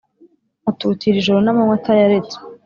Atutira ijoro n’amanywa atayaretse